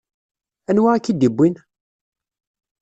Anwa i k-id-iwwin?